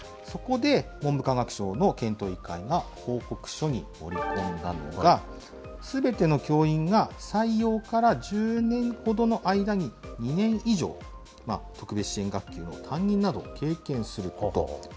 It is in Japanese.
そこで、文部科学省の検討委員会が報告書に盛り込んだのが、すべての教員が採用から１０年ほどの間に、２年以上、特別支援学級の担任などを経験すること。